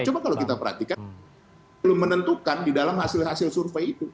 coba kalau kita perhatikan belum menentukan di dalam hasil hasil survei itu